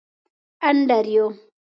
انډریو.